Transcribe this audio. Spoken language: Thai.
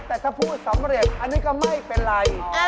แต่ถ้าพูดสำเร็จอันนี้ก็ไม่เป็นไร